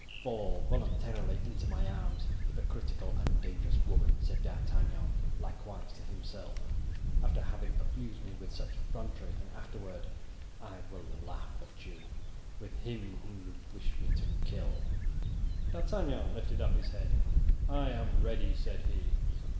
"Fall voluntarily into my arms, hypocritical and dangerous woman," said D'Artagnan, likewise to himself, "after having abused me with such effrontery, and afterward I will laugh at you with him whom you wish me to kill." D'Artagnan lifted up his head. "I am ready," said he.